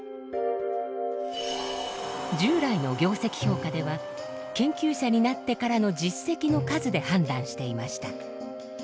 従来の業績評価では研究者になってからの実績の数で判断していました。